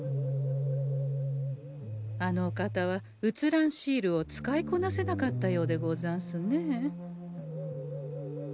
あのお方は写らんシールを使いこなせなかったようでござんすね。